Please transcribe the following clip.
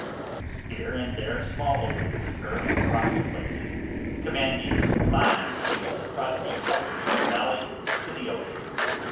Here and there small openings occur on rocky places, commanding fine views across the cultivated valley to the ocean.